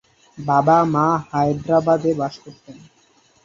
বাবা মা হায়দরাবাদে বাস করতেন।